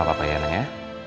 main sama papa ya anak ya